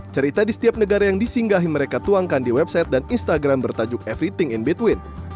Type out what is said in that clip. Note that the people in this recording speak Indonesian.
cerita di setiap negara yang disinggahi mereka tuangkan di website dan instagram bertajuk everything in between